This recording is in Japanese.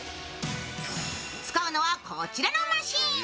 使うのはこちらのマシーン。